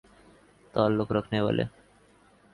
تعلق رکھنے والے